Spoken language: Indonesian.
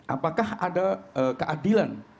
apakah ada keadilan